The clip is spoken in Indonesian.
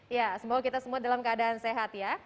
ya semoga kita semua dalam keadaan sehat ya